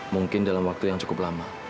mungkin dalam waktu yang cukup lama